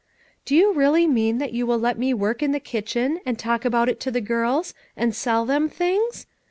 Do you really mean that you will let me work in the kitchen, and talk about it to the girls, and sell them things?